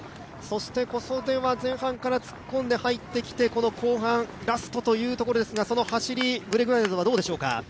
小袖は前半から突っこんで入ってきて後半、ラストというところですが、その走りはどうでしょうか。